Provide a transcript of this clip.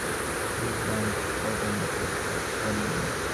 তিনি ভারতে আসার পর রাজনৈতিক কর্মকর্তা উইলিয়াম ইভান্স-গর্ডন তার দায়িত্ব নেন।